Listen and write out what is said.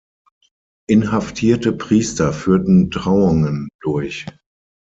Inhaftierte Priester führten Trauungen durch.